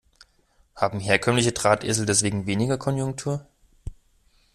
Haben herkömmliche Drahtesel deshalb weniger Konjunktur?